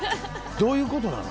どういうことなの？